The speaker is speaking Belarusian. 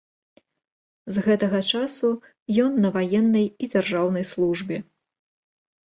З гэтага часу ён на ваеннай і дзяржаўнай службе.